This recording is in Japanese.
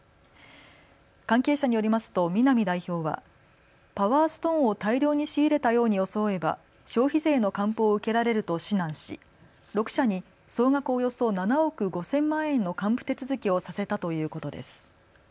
関係者によりますと南代表はパワーストーンを大量に仕入れたように装えば消費税の還付を受けられると指南し６社に総額およそ７億５０００万円の還付手続きをさせたということです。